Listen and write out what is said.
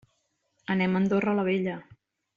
Anem a Andorra la Vella.